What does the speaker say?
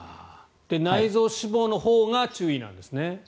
内臓脂肪のほうが注意なんですね。